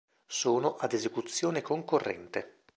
Sono ad esecuzione concorrente.